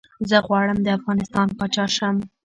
زه غواړم ده افغانستان پاچا شم